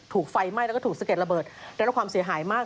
ถูกไฟไหม้แล้วก็ถูกสะเด็ดระเบิดได้รับความเสียหายมาก